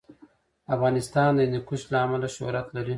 افغانستان د هندوکش له امله شهرت لري.